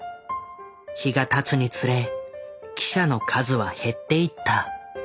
日がたつにつれ記者の数は減っていった。